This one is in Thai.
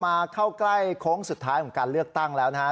เข้าใกล้โค้งสุดท้ายของการเลือกตั้งแล้วนะฮะ